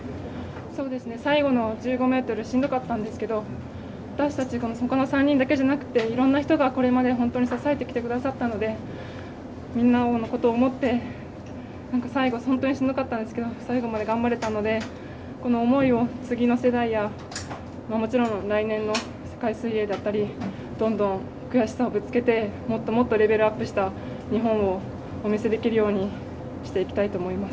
最後の１５ｍしんどかったんですけど私たち、この３人だけじゃなくていろんな人がこれまで支えてきてくださったのでみんなのことを思って最後本当にしんどかったんですけど最後まで頑張れたのでこの思いを次の世代やもちろん来年の世界水泳だったりどんどん悔しさをぶつけてもっともっとレベルアップした日本をお見せできるようにしていきたいと思います。